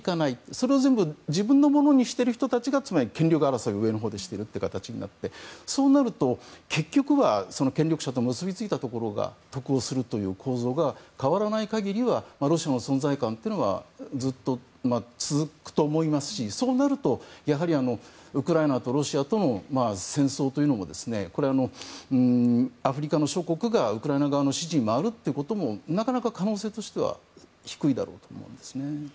それを全部自分のものにしてる人たちが権力争いを上のほうでしているという形になってそうなると、結局は権力者と結びついたところが得をするという構造が変わらない限りはロシアの存在感というのはずっと続くと思いますしそうなるとウクライナとロシアとの戦争もアフリカの諸国がウクライナ側の支持に回るということもなかなか可能性としては低いだろうと思いますね。